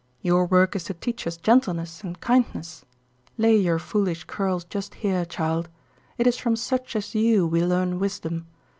Your work is to teach us gentleness and kindness. Lay your foolish curls just here, child. It is from such as you we learn wisdom.